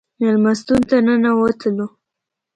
مېلمستون ته ننوتلو.